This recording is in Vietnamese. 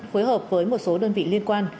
phối hợp với một số đơn vị liên quan